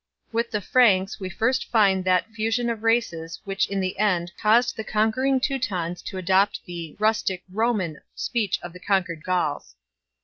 With the Franks we first find that fusion of races which in the end caused the con quering Teutons to adopt the " Rustic Roman " speech of the conquered Gauls.